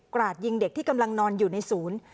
ราดยิงเด็กที่กำลังนอนอยู่ในศูนย์